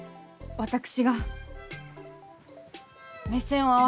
私が目線を合わせます。